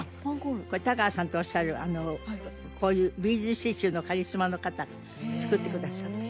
これ田川さんとおっしゃるこういうビーズ刺繍のカリスマの方が作ってくださって。